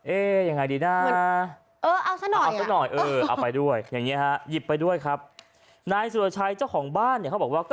เอาซะหน่อยชัวร์